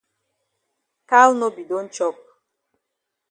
Cow no be don chop.